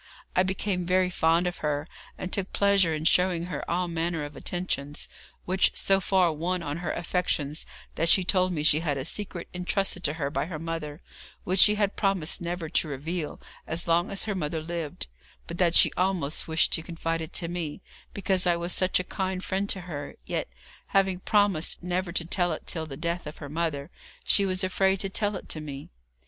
I became very fond of her, and took pleasure in showing her all manner of attentions, which so far won on her affections that she told me she had a secret entrusted to her by her mother, which she had promised never to reveal as long as her mother lived, but that she almost wished to confide it to me, because I was such a kind friend to her; yet, having promised never to tell it till the death of her mother, she was afraid to tell it to me.